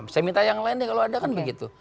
saya minta yang lain nih kalau ada kan begitu